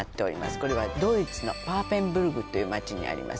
これはドイツのパーペンブルクという町にあります